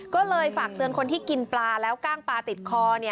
ก็เลยฝากเตือนคนที่กินปลาแล้วกล้างปลาติดคอ